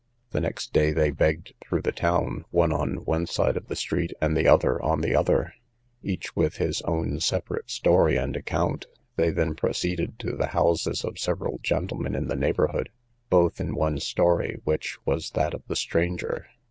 The next day they begged through the town, one on one side of the street, and the other on the other, each on his own separate story and account: they then proceeded to the houses of several gentlemen in the neighbourhood, both in one story, which was that of the stranger.